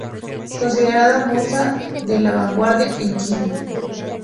Considerada musa de la vanguardia en Chile.